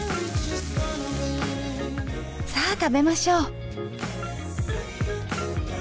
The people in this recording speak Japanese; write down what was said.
さぁ食べましょう。